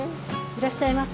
いらっしゃいませ。